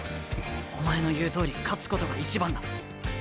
お前の言うとおり勝つことが一番だ。